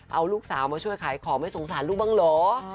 เอาลูกสาวมาช่วยขายของไม่สงสารลูกบ้างเหรอ